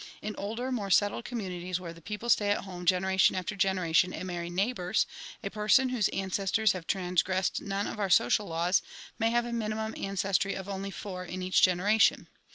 In older, more settled communities where the people stay at home generation after genera tion and marry neighbors, a person whose ancestors have trans gressed none of our social laws may have a minimum ancestry of only four in each generation.